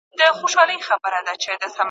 هغه وایي چې ټولنيزې شبکې د بیان ازادي ورکوي.